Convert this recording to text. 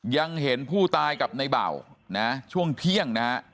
ยังเห็นผู้ตายกับในเบานะช่วงเที่ยงนะฮะ